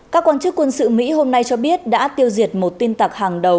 các quan chức quân sự mỹ hôm nay cho biết đã tiêu diệt một tin tặc hàng đầu